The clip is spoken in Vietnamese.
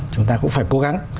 chúng ta cũng phải cố gắng